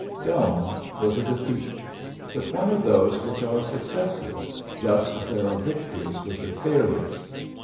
Belmon defeat, but one of those which a cesses, just as there are victories are failures.